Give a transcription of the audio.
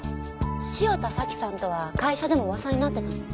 汐田早紀さんとは会社でも噂になってたの？